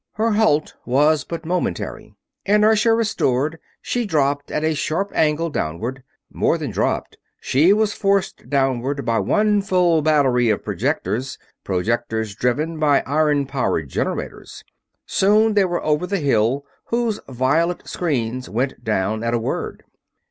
Her halt was but momentary. Inertia restored, she dropped at a sharp angle downward. More than dropped; she was forced downward by one full battery of projectors; projectors driven by iron powered generators. Soon they were over the Hill, whose violet screens went down at a word.